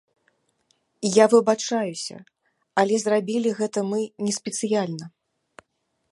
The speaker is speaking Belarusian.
Я выбачаюся, але зрабілі гэта мы не спецыяльна.